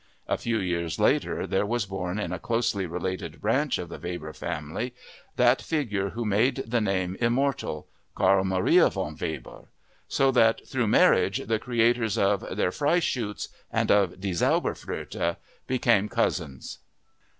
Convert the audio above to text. (A few years later there was born in a closely related branch of the Weber family that figure who made the name immortal—Carl Maria von Weber; so that through marriage the creators of Der Freischütz and of Die Zauberflöte became cousins!)